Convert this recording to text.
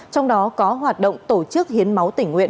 trong đó có hoạt động tổ chức hiến máu tỉnh nguyện